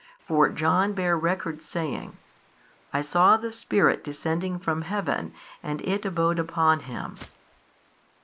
For John bare record saying, I saw the Spirit descending from Heaven and It abode upon Him.